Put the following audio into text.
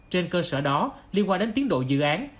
trên cơ sở đó liên quan đến tiến độ dự án